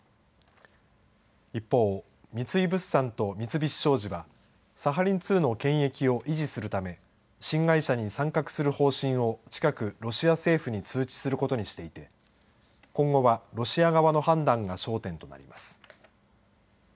一方、三井物産と三菱商事はサハリン２の権益を維持するため新会社に参画する方針を近くロシア政府に通知することにしていて今後は、ロシア側の判断が焦点となります。